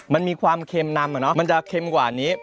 มันมีความเค็มนำมันจะเค็มกว่านี้